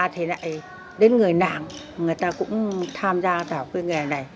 thì lại đến người nàng người ta cũng tham gia vào cái nghề này